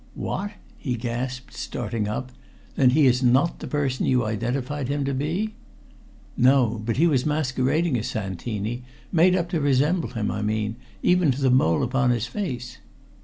"What!" he gasped, starting up. "Then he is not the person you identified him to be?" "No. But he was masquerading as Santini made up to resemble him, I mean, even to the mole upon his face."